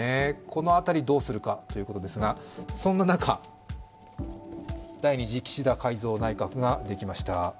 この辺りどうするかということですが、そんな中、第２次岸田改造内閣ができました。